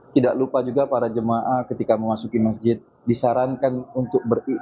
tidak lupa juga para jemaah ketika memasuki masjid disarankan untuk beribadah